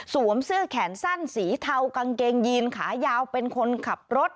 เสื้อแขนสั้นสีเทากางเกงยีนขายาวเป็นคนขับรถ